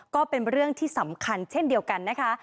ก็เป็นเรื่องที่สำคัญเช่นเดียวกันนะคะ